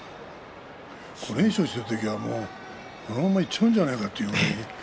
５連勝している時はこのままいっちゃうんじゃないか